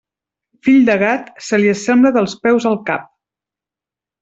Fill de gat, se li assembla dels peus al cap.